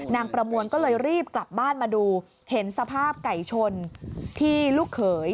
ประมวลก็เลยรีบกลับบ้านมาดูเห็นสภาพไก่ชนที่ลูกเขย